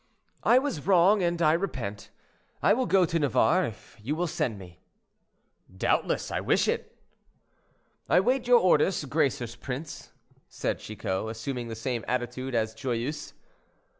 "I was wrong, and I repent. I will go to Navarre, if you will send me." "Doubtless; I wish it." "I wait your orders, gracious prince," said Chicot, assuming the same attitude as Joyeuse.